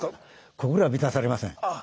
心は満たされません。